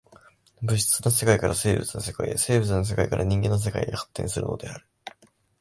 物質の世界から生物の世界へ、生物の世界から人間の世界へ発展するのである。